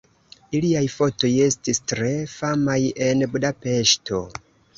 Iliaj fotoj estis tre famaj en Budapeŝto.